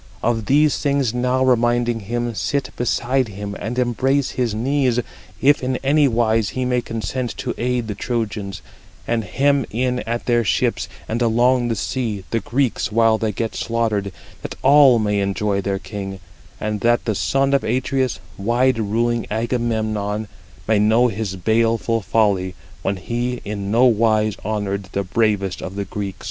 Of these things now reminding him, sit beside him, and embrace his knees, if in anywise he may consent to aid the Trojans, and hem in 48 at their ships, and along the sea, the Greeks [while they get] slaughtered, that all may enjoy their king, and that the son of Atreus, wide ruling Agamemnon, may know his baleful folly, 49 when he in no wise honoured the bravest of the Greeks."